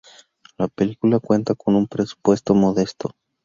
La película cuenta con un presupuesto modesto.